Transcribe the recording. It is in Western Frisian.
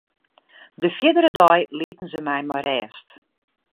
De fierdere dei lieten se my mei rêst.